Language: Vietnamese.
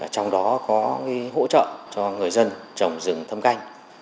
trong đó có hỗ trợ cho người dân trồng rừng thâm canh